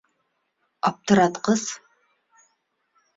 — Аптыратҡыс.